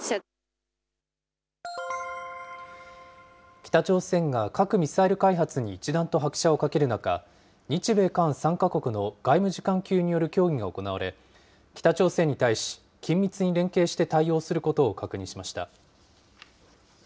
北朝鮮が核・ミサイル開発に一段と拍車をかける中、日米韓３か国の外務次官級による協議が行われ、北朝鮮に対し、緊密に連携して対応することを確認しました。